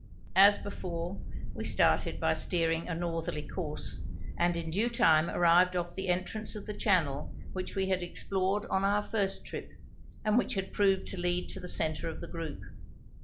As before, we started by steering a northerly course, and in due time arrived off the entrance of the channel which we had explored on our first trip, and which had proved to lead to the centre of the group.